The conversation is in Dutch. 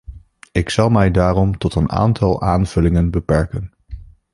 Ik zal mij daarom tot een aantal aanvullingen beperkingen.